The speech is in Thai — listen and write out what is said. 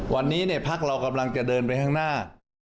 วันนี้พักเรากำลังจะเดินไปข้างหน้า